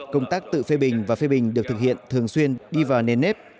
công tác tự phê bình và phê bình được thực hiện thường xuyên đi vào nền nếp